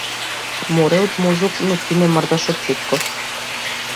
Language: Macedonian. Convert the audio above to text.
Море од мозок но ти не мрдаш од плитко.